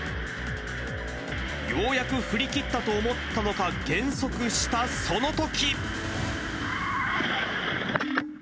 ようやく振り切ったと思ったのか、減速したそのとき。